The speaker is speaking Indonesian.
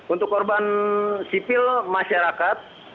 untuk korban sipil masyarakat